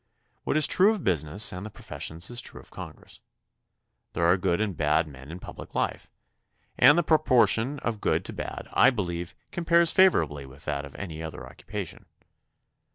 What is true of business and the professions is true of Con gress. There are good and bad men in public life, and the proportion of good to bad, I believe, compares favorably with that of any other occupation.